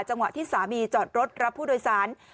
จังหวะที่สามีจอดรถรับผู้โดยสาร